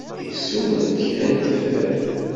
Yessumer-d kra n tifrat?